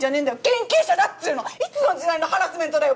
研究者だっつうのいつの時代のハラスメントだよ。